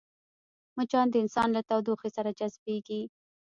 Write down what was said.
مچان د انسان له تودوخې سره جذبېږي